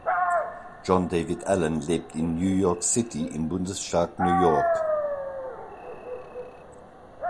John David Allen lebt in New York City im Bundesstaat New York.